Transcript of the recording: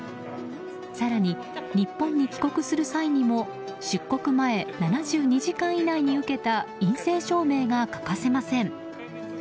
更に日本に帰国する際にも出国前７２時間以内に受けた陰性証明が欠かせません。